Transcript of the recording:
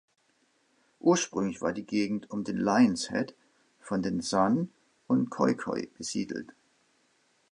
Ursprünglich war die Gegend um den "Lion’s Head" von den San und Khoikhoi besiedelt.